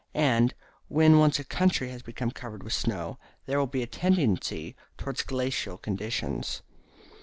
And, when once a country has become covered with snow, there will be a tendency towards glacial conditions.